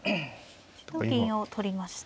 銀を取りました。